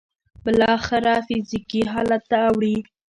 بالاخره فزيکي حالت ته اوړي.